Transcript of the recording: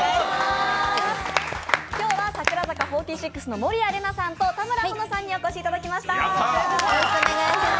今日は櫻坂４６の守屋麗奈さんと田村保乃さんにお越しいただきました。